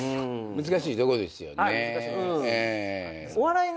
難しいとこですよね。